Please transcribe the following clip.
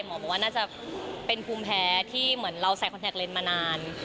หมอบอกว่าน่าจะเป็นภูมิแพ้ที่เหมือนเราใส่คอนแท็กเลนส์มานาน